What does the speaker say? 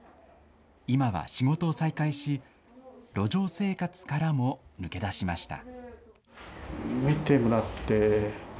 今は仕事を再開し、路上生活からも抜け出しました。